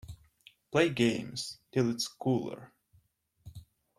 Play games, till it's cooler.